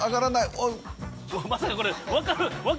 まさかこれ。